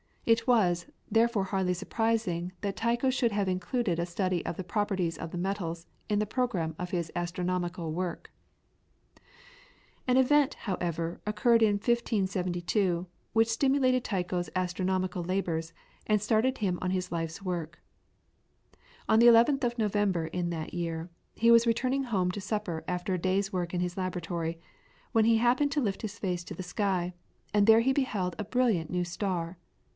It was, therefore hardly surprising that Tycho should have included a study of the properties of the metals in the programme of his astronomical work. [PLATE: URANIBORG AND ITS GROUNDS. PLATE: GROUND PLAN OF THE OBSERVATORY.] An event, however, occurred in 1572 which stimulated Tycho's astronomical labours, and started him on his life's work. On the 11th of November in that year, he was returning home to supper after a day's work in his laboratory, when he happened to lift his face to the sky, and there he beheld a brilliant new star.